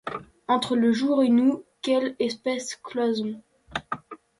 Entre le jour et nous quelle épaisse cloison !